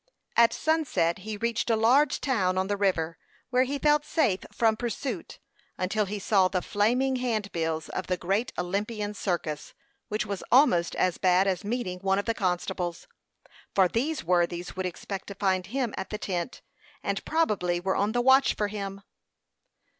At sunset he reached a large town on the river, where he felt safe from pursuit until he saw the flaming hand bills of the Great Olympian Circus, which was almost as bad as meeting one of the constables, for these worthies would expect to find him at the tent, and probably were on the watch for him.